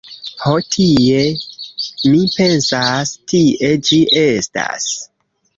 Ho tie mi pensas, tie ĝi estas.